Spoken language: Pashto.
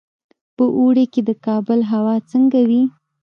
په اوړي کې د کابل هوا څنګه وي؟